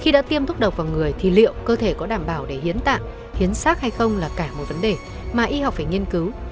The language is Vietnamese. khi đã tiêm thuốc độc vào người thì liệu cơ thể có đảm bảo để hiến tạng hiến xác hay không là cả một vấn đề mà y học phải nghiên cứu